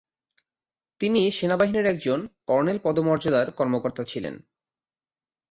তিনি সেনাবাহিনীর একজন কর্নেল পদমর্যাদার কর্মকর্তা ছিলেন।